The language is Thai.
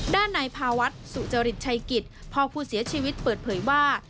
ด้านในภาวัฒน์สุจริตชัยกิจพ่อผู้เสียชีวิตเปิดเผยว่า